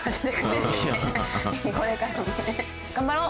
頑張ろう！